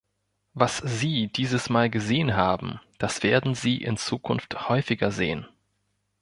Was Sie dieses Mal gesehen haben, das werden Sie in Zukunft häufiger sehen.